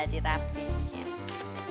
jadi dia udah makan kue dari gue